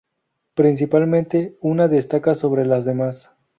Principalmente una destaca sobre las demás.